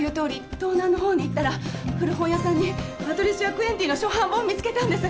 東南のほうに行ったら古本屋さんにパトリシア・クエンティンの初版本見つけたんです。